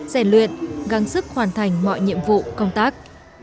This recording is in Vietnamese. rèn luyện gắn sức hoàn thành mọi nhiệm vụ công tác